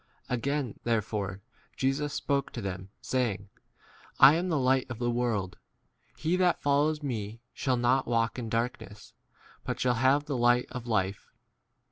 Again therefore Jesus spoke to them, saying, I * am the light of the world; he that fol lows me shall not walk in dark ness, but shall have the light of 13 life.